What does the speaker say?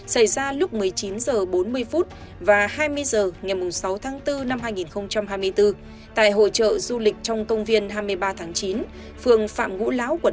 xảy ra lúc một mươi chín h bốn mươi và hai mươi h ngày sáu tháng bốn năm hai nghìn hai mươi bốn tại hội trợ du lịch trong công viên hai mươi ba tháng chín phường phạm ngũ lão quận năm